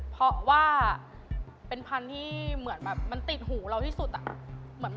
เพราะว่าเป็นพันธุ์ที่เหมือนแบบมันติดหูเราที่สุดอะ